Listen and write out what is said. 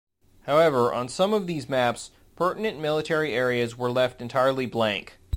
However, on some of these maps, pertinent military areas were left entirely blank.